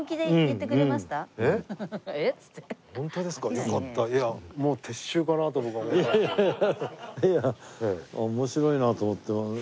いや面白いなと思って。